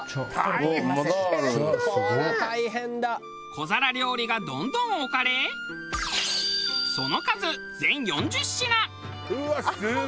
小皿料理がどんどん置かれその数全４０品。